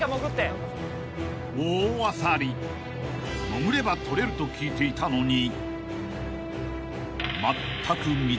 ［潜ればとれると聞いていたのに］